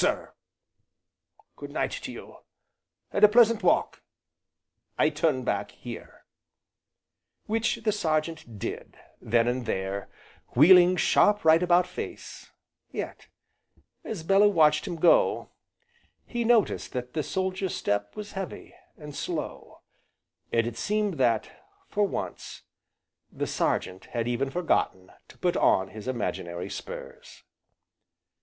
Sir, good night to you! and a pleasant walk! I turn back here." Which the Sergeant did, then and there, wheeling sharp right about face; yet, as Bellew watched him go, he noticed that the soldier's step was heavy, and slow, and it seemed that, for once, the Sergeant had even forgotten to put on his imaginary spurs.